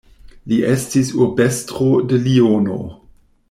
Li estis urbestro de Liono.